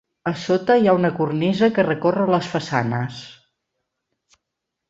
A sota hi ha una cornisa que recorre les façanes.